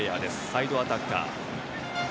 サイドアタッカー。